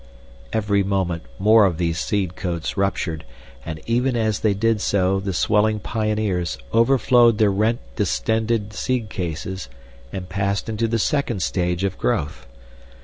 Every moment more of these seed coats ruptured, and even as they did so the swelling pioneers overflowed their rent distended seed cases, and passed into the second stage of growth.